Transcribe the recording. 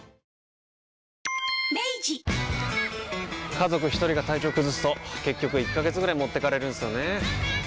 家族一人が体調崩すと結局１ヶ月ぐらい持ってかれるんすよねー。